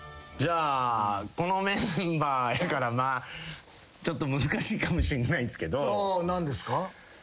このメンバーやからちょっと難しいかもしんないんすけど。